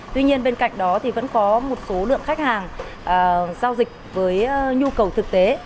tuy nhiên bên cạnh đó thì vẫn có một số lượng khách hàng giao dịch với nhu cầu thực tế